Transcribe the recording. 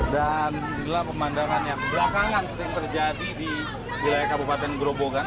dan inilah pemandangan yang berakangan sering terjadi di wilayah kabupaten gerobogan